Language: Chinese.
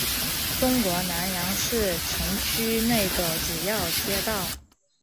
中国南阳市城区内的主要街道。